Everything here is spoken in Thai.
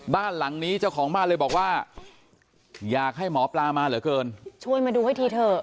บ้านหลังนี้เจ้าของบ้านเลยบอกว่าอยากให้หมอปลามาเหลือเกินช่วยมาดูให้ทีเถอะ